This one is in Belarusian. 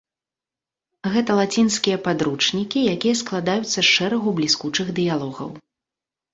Гэта лацінскія падручнікі, якія складаюцца з шэрагу бліскучых дыялогаў.